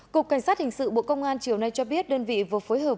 cục cảnh sát hình sự bộ công an chiều nay cho biết đơn vị vừa phối hợp